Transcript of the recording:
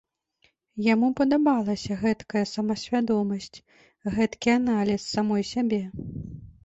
Яму падабалася гэткая самасвядомасць, гэткі аналіз самой сябе.